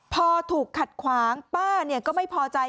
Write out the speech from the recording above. พอถูกขัดขวางป้าก็ไม่พอใจ